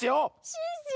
シュッシュ！